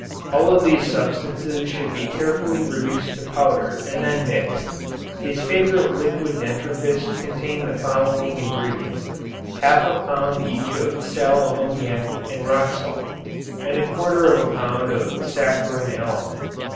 All of these substances should be carefully reduced to powder and then mixed. His favorite liquid dentifrice contained the following ingredients, half a pound each of sal ammoniac and rock salt, and a quarter of a pound of sacharin alum.